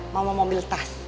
mama mau beli tas